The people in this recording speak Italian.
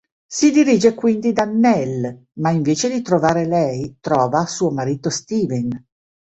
Si dirige quindi da Nell, ma invece di trovare lei trova suo marito Steven.